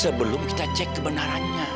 sebelum kita cek kebenarannya